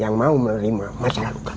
yang mau menerima masa lalu kamu